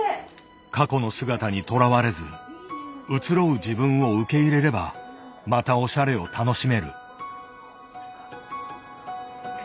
過去の姿にとらわれず移ろう自分を受け入れればまたおしゃれを楽しめる。